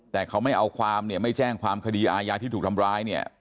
แต่เขาไม่เอาความเนี่ยไม่แจ้งความคดีอาญาที่ถูกทำร้ายเนี่ย